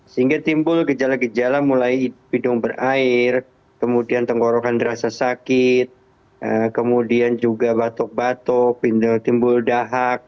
sehingga timbul gejala gejala mulai hidung berair kemudian tenggorokan rasa sakit kemudian juga batuk batuk timbul dahak